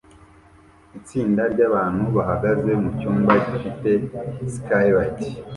Itsinda ryabantu bahagaze mucyumba gifite skylight